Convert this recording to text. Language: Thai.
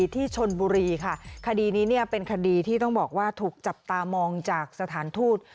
ที่ชนบุรีค่ะคดีนี้เนี่ยเป็นคดีที่ต้องบอกว่าถูกจับตามองจากสถานทูต